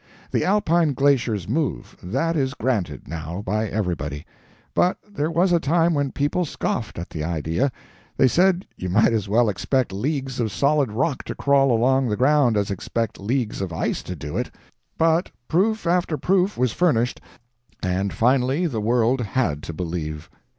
The Alpine glaciers move that is granted, now, by everybody. But there was a time when people scoffed at the idea; they said you might as well expect leagues of solid rock to crawl along the ground as expect leagues of ice to do it. But proof after proof was furnished, and the finally the world had to believe.